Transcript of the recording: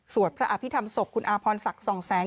พระอภิษฐรรมศพคุณอาพรศักดิ์สองแสง